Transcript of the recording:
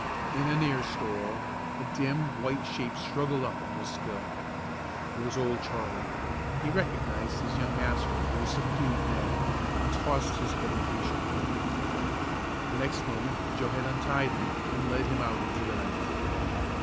In a near stall, a dim, white shape struggled up and was still. It was Old Charlie. He recognized his young master with a subdued neigh, and tossed his head impatiently. The next moment Joe had untied him, and led him out into the night.